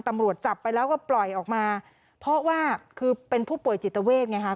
ตำรวจจับไปแล้วก็ปล่อยออกมาเพราะว่าคือเป็นผู้ป่วยจิตเวทไงฮะ